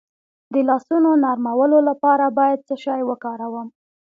د لاسونو نرمولو لپاره باید څه شی وکاروم؟